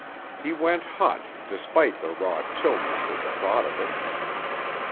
He went hot despite the raw chilliness at the thought of it.